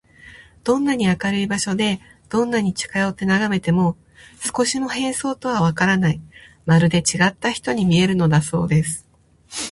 どんなに明るい場所で、どんなに近よってながめても、少しも変装とはわからない、まるでちがった人に見えるのだそうです。